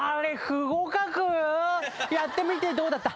不合格？やってみてどうだった？